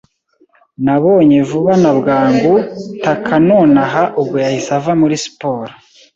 Nabonye vuba na bwangu Takanohana ubwo yahise ava muri siporo.